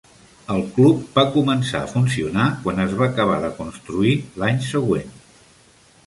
El club va començar a funcionar quan es va acabar de construir l'any següent.